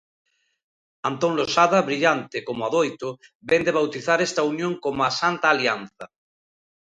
Antón Losada, brillante como adoito, vén de bautizar esta unión como a Santa Alianza.